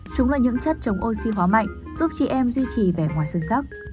chúng là những chất chống oxy hóa mạnh giúp trẻ em duy trì vẻ ngoài xuân sắc